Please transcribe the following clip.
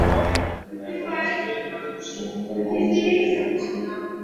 আপনার সহযোগিতা পেলে এখানকার শৃঙ্খলা এবং অনুশাসন ফিরিয়ে আনবো, স্যার।